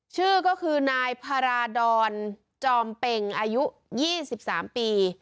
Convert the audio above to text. ชื่อก็คือนายพาราดอนจอมเป็งอายุยี่สิบสามปี